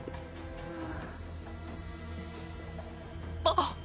あっ！